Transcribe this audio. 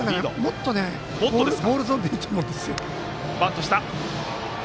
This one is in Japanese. もっとボールゾーンでいいと思います。